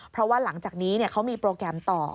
เพราะว่าหลังจากนี้เขามีโปรแกรมต่อ